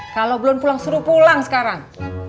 kalau belum pulang suruh pulang sekarang